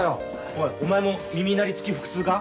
おいお前も耳鳴り付き腹痛か？